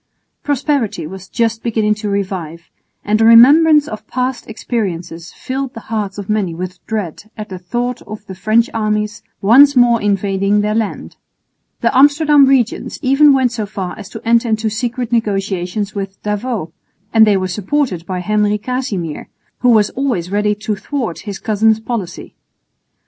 Prosperity was just beginning to revive, and a remembrance of past experiences filled the hearts of many with dread at the thought of the French armies once more invading their land. The Amsterdam regents even went so far as to enter into secret negotiations with D'Avaux; and they were supported by Henry Casimir, who was always ready to thwart his cousin's policy.